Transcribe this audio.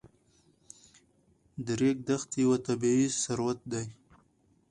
د ریګ دښتې یو طبعي ثروت دی.